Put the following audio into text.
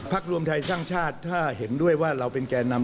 รวมไทยสร้างชาติถ้าเห็นด้วยว่าเราเป็นแก่นำ